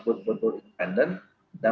betul betul independen dan